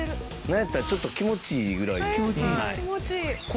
なんやったらちょっと気持ちいいぐらい。